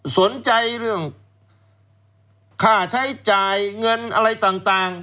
สนใจเรื่องค่าใช้จ่ายเงินอะไรต่าง